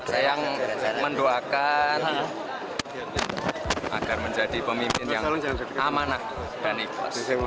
saya yang mendoakan agar menjadi pemimpin yang amanah dan ikhlas